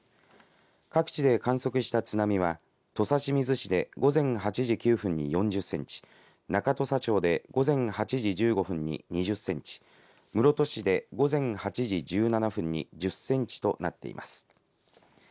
各地で観測した津波は土佐清水市で午前８時９分に４０センチ、中土佐町で午前８時１５分に２０センチ、室戸市で午前８時１７分に１０センチとなっています。